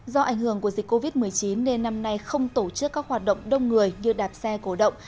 do ảnh hưởng của dịch covid một mươi chín nên năm nay không tổ chức các hoạt động đông người như đạp xe cổ động